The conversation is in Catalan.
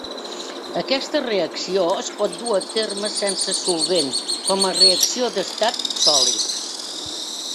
Aquesta reacció es pot dur a terme sense solvent, com a reacció d'estat sòlid.